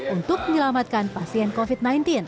untuk menyelamatkan pasien covid sembilan belas